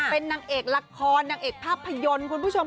เป็นนางเอกละครนางเอกภาพยนตร์คุณผู้ชม